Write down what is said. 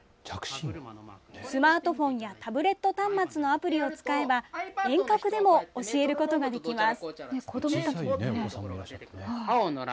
スマートフォンやタブレット端末のアプリを使えば遠隔でも教えることができます。